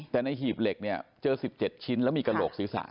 แต่ในหีบเหล็กเนี่ยเจอ๑๗ชิ้นแล้วมีกระโหลกศีรษะ